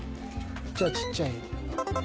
じゃあちっちゃい。